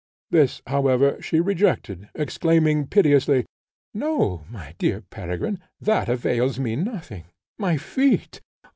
This, however, she rejected, exclaiming piteously, "No, my dear Peregrine, that avails me nothing: my feet!